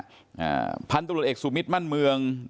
ของภัณฑ์ตรุกตรวจเอกเส้นทรุกษิตมั่นเมือง